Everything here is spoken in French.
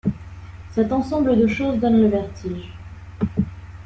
Cet ensemble de choses donne le vertige.